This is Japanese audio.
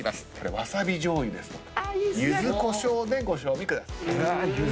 わさびじょうゆですとかゆずこしょうでご賞味ください。